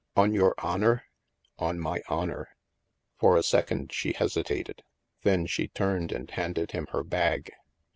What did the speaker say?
On your honor?" On my honor." For a second she hesitated. Then she turned and handed him her bag.